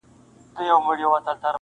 امن ښه دی پاچا هلته به خوند وکړي-